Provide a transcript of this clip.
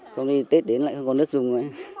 không đi tết đến lại không có nước dùng